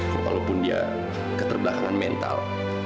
walaupun dia keterbakangan mental